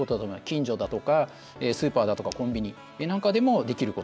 近所だとか、スーパーだとかコンビニなんかでもできることで。